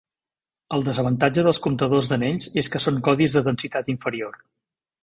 El desavantatge dels comptadors d'anells és que són codis de densitat inferior.